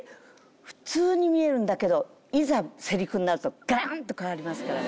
普通に見えるんだけどいざセリフになるとガランと変わりますからね。